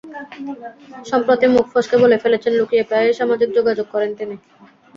সম্প্রতি মুখ ফসকে বলে ফেলেছেন, লুকিয়ে প্রায়ই সামাজিক যোগাযোগ করেন তিনি।